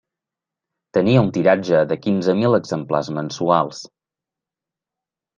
Tenia un tiratge de quinze mil exemplars mensuals.